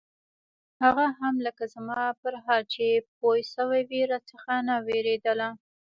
هغه هم لکه زما پر حال چې پوهه سوې وي راڅخه نه وېرېدله.